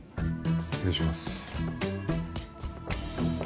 失礼します。